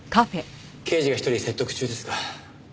刑事が一人説得中ですが。